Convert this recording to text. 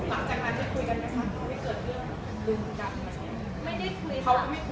หลังจากนั้นเคยคุยกันไหมคะไม่เกิดเรื่องยืนดับไหมคะ